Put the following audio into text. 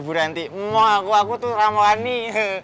bu ranti aku tuh ramah nih